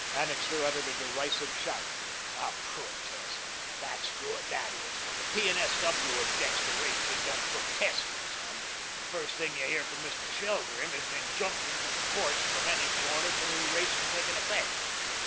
Annixter uttered a derisive shout. "A protest! That's good, that is. When the P. and S. W. objects to rates it don't 'protest,' m' son. The first you hear from Mr. Shelgrim is an injunction from the courts preventing the order for new rates from taking effect.